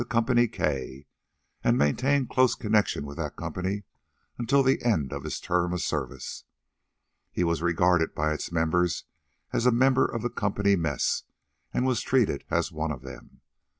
K. and maintained close connection with that company until the end of his term of service. He was regarded by its members as a member of the company mess, and was treated as one of them.